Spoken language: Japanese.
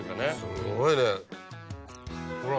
すごいねほら。